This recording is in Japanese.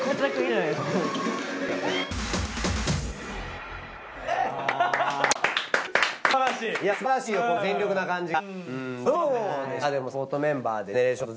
いやすばらしいよ全力な感じが。